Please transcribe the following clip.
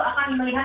kita akan melihat